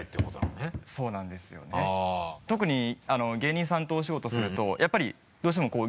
特に芸人さんとお仕事するとやっぱりどうしてもこう。